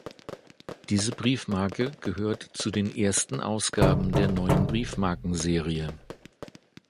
Diese Briefmarke gehört zu den ersten Ausgaben der neuen Briefmarkenserie.